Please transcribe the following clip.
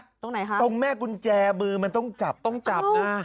ตรงไหนคะตรงแม่กุญแจมือมันต้องจับต้องจับนะ